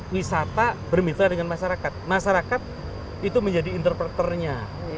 wisata bermitra dengan masyarakat masyarakat itu menjadi interpreter nya